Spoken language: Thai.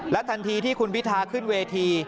ทันทีที่คุณพิทาขึ้นเวที